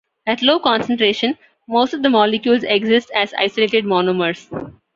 At low concentration, most of the molecules exist as isolated monomers.